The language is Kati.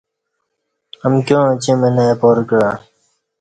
امکیاں اہ چی منہ اپار کعہ